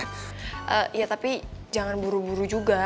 eh ya tapi jangan buru buru juga